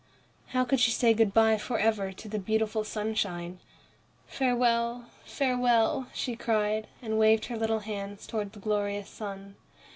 How could she say good by for ever to the beautiful sunshine? "Farewell, farewell!" she cried, and waved her little hands towards the glorious sun.